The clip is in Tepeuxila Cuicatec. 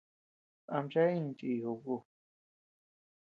Amchea iña chiʼiy jobe ku.